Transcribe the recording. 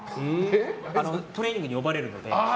トレーニングに呼ばれるので。